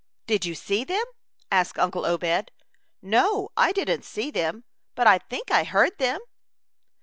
"Did you see them?" asked uncle Obed. "No, I didn't see them, but I think I heard them."